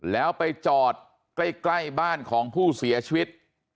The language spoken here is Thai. แล้วไปจอดใกล้บ้านของผู้เสียชีวิต